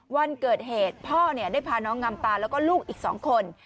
วันเกิดเหตุพ่อได้พาน้องงามตาแล้วก็ลูกอีก๒คน